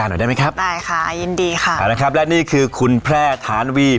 หน่อยได้ไหมครับได้ค่ะยินดีค่ะเอาละครับและนี่คือคุณแพร่ฐานวี